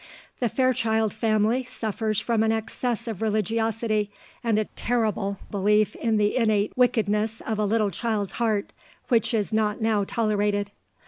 The Fairchild Family suffers from an excess of religiosity, and a terrible belief in the innate wickedness of a little child's heart, which is not now tolerated.